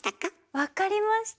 分かりました。